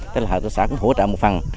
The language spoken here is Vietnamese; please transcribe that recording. tức là hợp tác xã cũng hỗ trợ một phần